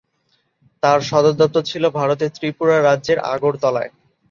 তার সদর দপ্তর ছিল ভারতের ত্রিপুরা রাজ্যের আগরতলায়।